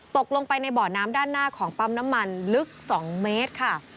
ตกลงไปในบ่อน้ำด้านหน้าของปั๊มน้ำมันลึก๒เมตรค่ะ